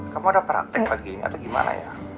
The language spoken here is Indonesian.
kamu ada praktek lagi atau gimana ya